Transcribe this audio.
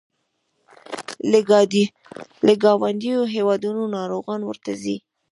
له ګاونډیو هیوادونو ناروغان ورته ځي.